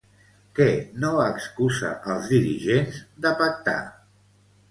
Què no excusa als dirigents de pactar?